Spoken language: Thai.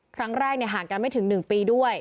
ครั้งแรกห่างกันไม่ถึง๑ปีด้วย